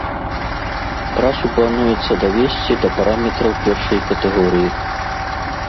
Трасу плануецца давесці да параметраў першай катэгорыі.